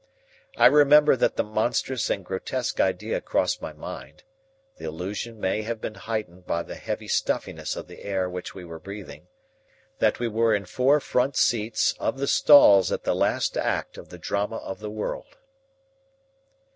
I remember that the monstrous and grotesque idea crossed my mind the illusion may have been heightened by the heavy stuffiness of the air which we were breathing that we were in four front seats of the stalls at the last act of the drama of the world.